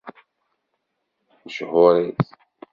Mechuṛit.